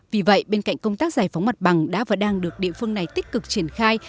vì vậy bên cạnh công tác giải phóng mặt bằng đã và đang được địa phương này tích cực triển khai